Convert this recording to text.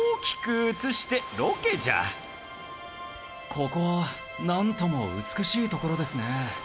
ここはなんとも美しい所ですね。